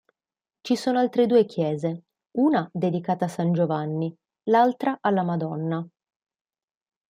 Ci sono altre due chiese, una dedicata a S. Giovanni, l'altra alla Madonna.